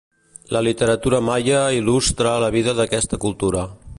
La literatura maia il·lustra la vida d'aquesta cultura.